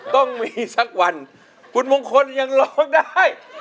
ต้องมีสักวันคุณมงคลยังร้องได้